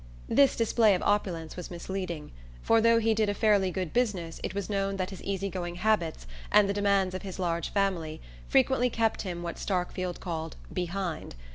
This display of opulence was misleading, for though he did a fairly good business it was known that his easygoing habits and the demands of his large family frequently kept him what Starkfield called "behind."